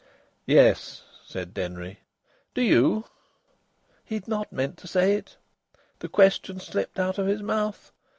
"Yes," said Denry. "Do you?" He had not meant to say it. The question slipped out of his mouth.